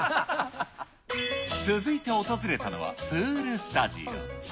続いて訪れたのはプールスタジオ。